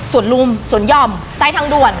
ส่วนลุมสวนหย่อมใต้ทางด่วน